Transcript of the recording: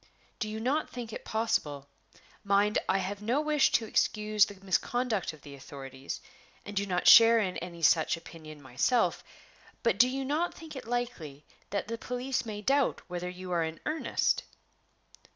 "Do you not think it possible mind, I have no wish to excuse the misconduct of the authorities, and do not share in any such opinion myself but do you not think it likely that the police may doubt whether you are in earnest?"